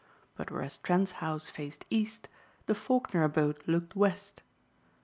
But whereas Trent's house faced east, the Faulkner abode looked west.